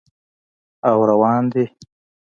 او روان دي